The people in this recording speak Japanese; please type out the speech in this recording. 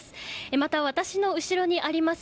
また、私の後ろにあります